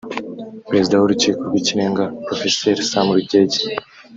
Perezida w’Urukiko rw’Ikirenga Prof Sam Rugege